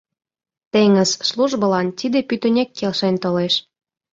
Теҥыз службылан тиде пӱтынек келшен толеш.